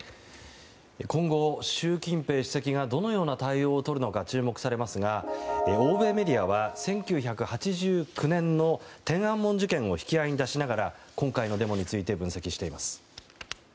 今後、習近平主席がどのような対応をとるのか注目されますが欧米メディアは１９８９年の天安門事件を引き合いに出しながら今回のデモについて分析しています。